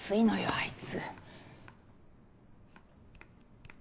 あいつ。